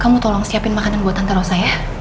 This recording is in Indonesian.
kamu tolong siapin makanan buat tante rosa ya